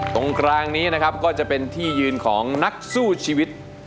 ตรงกลางนี้นะครับก็จะเป็นที่ยืนของนักสู้ชีวิต